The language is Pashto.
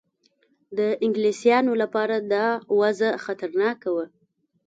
د انګلیسیانو لپاره دا وضع خطرناکه وه.